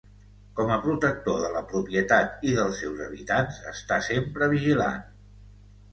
Com a protector de la propietat i dels seus habitants està sempre vigilant.